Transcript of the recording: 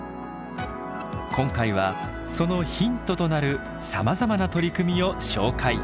今回はそのヒントとなるさまざまな取り組みを紹介。